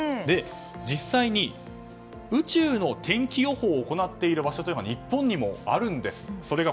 実際に宇宙の天気予報を行っている場所が日本にもあるんです。